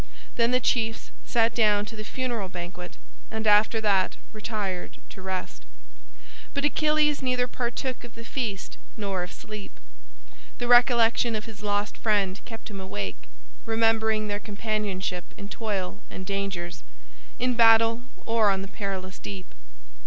Then the chiefs sat down to the funeral banquet and after that retired to rest. But Achilles neither partook of the feast nor of sleep. The recollection of his lost friend kept him awake, remembering their companionship in toil and dangers, in battle or on the perilous deep.